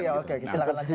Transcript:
oh ya silakan